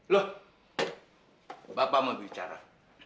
loh bapak mau bicara